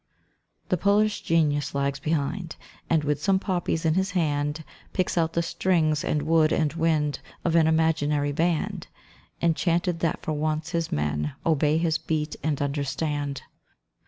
The Polish genius lags behind, And, with some poppies in his hand, Picks out the strings and wood and wind Of an imaginary band, Enchanted that for once his men obey his beat and understand.